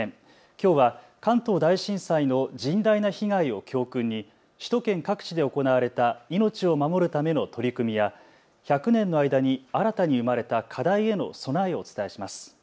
きょうは関東大震災の甚大な被害を教訓に首都圏各地で行われた命を守るための取り組みや１００年の間に新たに生まれた課題への備えをお伝えします。